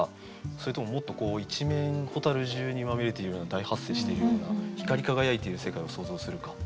それとももっとこう一面蛍じゅうにまみれているような大発生しているような光り輝いている世界を想像するか。